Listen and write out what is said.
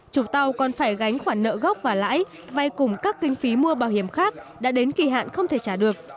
chủ tàu còn phải gánh khoản nợ gốc và lãi vay cùng các kinh phí mua bảo hiểm khác đã đến kỳ hạn không thể trả được